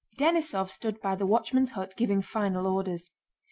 Denísov stood by the watchman's hut giving final orders.